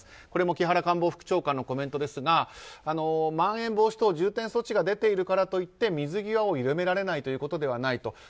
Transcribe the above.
これも木原官房副長官のコメントですがまん延防止等重点措置が出ているからといって水際を緩められないということではないと。